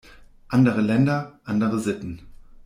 Andere Länder, andere Sitten.